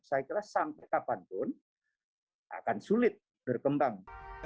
saya kira sampai kapan pun akan sulit berkembang